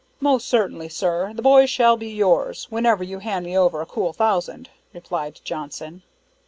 "Most certainly, sir, the boy shall be yours, whenever you hand me over a cool thousand," replied Johnson.